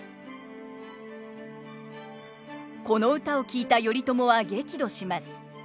この歌を聞いた頼朝は激怒します。